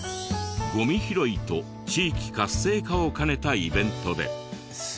ゴミ拾いと地域活性化を兼ねたイベントで。